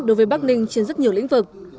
đối với bắc ninh trên rất nhiều lĩnh vực